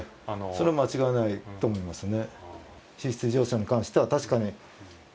それは間違いないと思いますね。